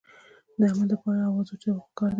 د امن دپاره اواز اوچتول پکار دي